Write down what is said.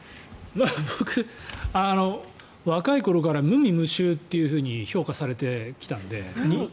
僕、若い頃から無味無臭って評価されてきたんで。